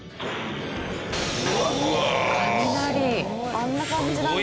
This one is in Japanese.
あんな感じなんだ。